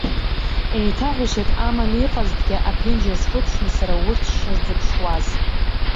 Еиҭаҳәашьак аман иҟазҭгьы аԥенџьыр скылԥшны сара урҭ сшырзыԥшуаз!